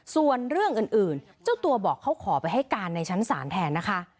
ส่วนเรื่องอื่นเจ้าตัวบอกเขาขอไปให้การในชั้นศาลแทนนะคะ